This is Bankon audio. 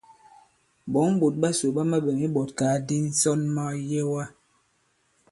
Ɓɔ̌ŋ ɓòt ɓasò ɓa maɓɛ̀m iɓɔ̀tkàgàdi ǹsɔn mayɛwa.